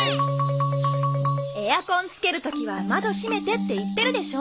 エアコンつける時は窓閉めてって言ってるでしょ？